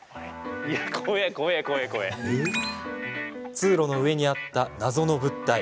通路の上にあった謎の物体。